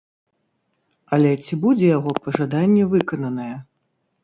Але ці будзе яго пажаданне выкананае?